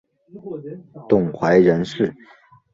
董槐人士。